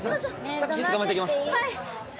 タクシー捕まえてきますねえ